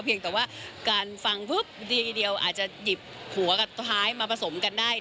เพียงแต่ว่าการฟังปุ๊บทีเดียวอาจจะหยิบหัวกับท้ายมาผสมกันได้